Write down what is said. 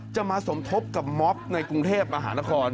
จะมาส่งโทษกับม้อบในกรุงเทพมาหารคร